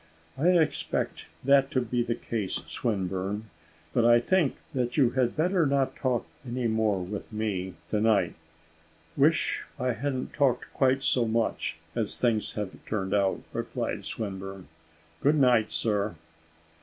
"I suspect that to be the case, Swinburne; But I think that you had better not talk any more with me to night." "Wish I hadn't talked quite so much, as things have turned out," replied Swinburne. "Good night, sir."